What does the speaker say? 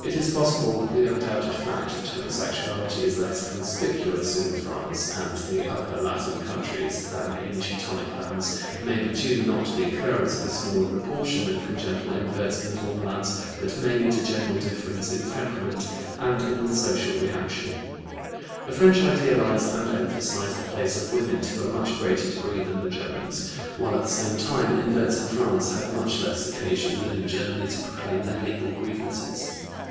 It is possible that the undoubted fact that homosexuality is less conspicuous in France and the other Latin countries than in Teutonic lands, may be due not to the occurrence of a smaller proportion of congenital inverts in the former lands, but mainly to general difference in temperament and in the social reaction. The French idealize and emphasize the place of women to a much greater degree than the Germans, while at the same time inverts in France have much less occasion than in Germany to proclaim their legal grievances.